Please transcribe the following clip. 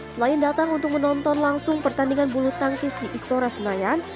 selain datang untuk menonton langsung pertandingan bulu tangkis di istora senayan